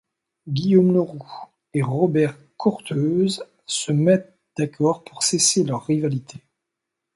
Guillaume le Roux et Robert Courteheuse se mettent d'accord pour cesser leur rivalité.